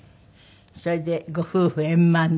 それでご夫婦円満で。